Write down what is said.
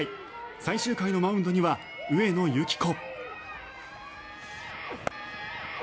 最終回のマウンドには上野由岐子。